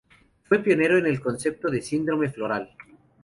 Fue pionero en el concepto de síndrome floral.